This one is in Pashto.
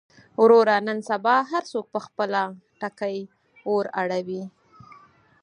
وروره نن سبا هر څوک پر خپله ټکۍ اور اړوي.